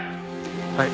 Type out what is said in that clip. はい。